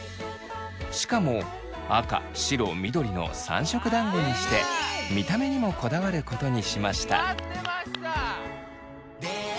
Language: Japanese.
しかも赤白緑の３色だんごにして見た目にもこだわることにしました。